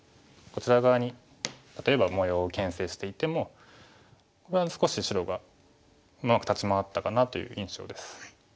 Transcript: こちら側に例えば模様をけん制していてもこれは少し白がうまく立ち回ったかなという印象です。